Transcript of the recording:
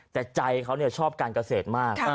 แต่ใจเขาชอบการเกษตรมาก